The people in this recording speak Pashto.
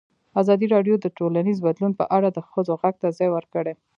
ازادي راډیو د ټولنیز بدلون په اړه د ښځو غږ ته ځای ورکړی.